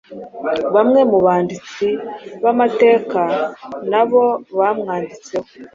bamwe mu banditsi b’amateka nabo bamwanditseho